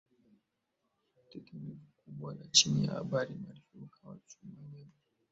tetemeko kubwa la chini ya bahari maarufu kama tsunami